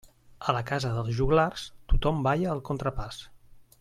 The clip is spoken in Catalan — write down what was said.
A la casa dels joglars tothom balla el contrapàs.